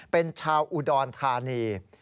เป็นชาวอุดรธานี